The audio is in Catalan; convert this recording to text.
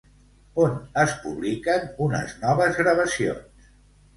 On es publiquen unes noves gravacions?